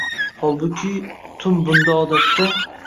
Holbuki, tun — bunda odatda